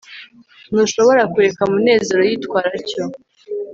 ntushobora kureka munezero yitwara atyo